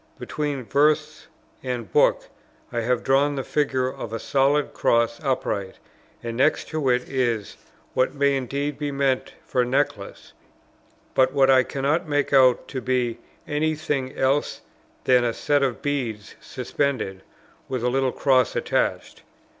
Between "Verse" and "Book" I have drawn the figure of a solid cross upright, and next to it is, what may indeed be meant for a necklace, but what I cannot make out to be any thing else than a set of beads suspended, with a little cross attached.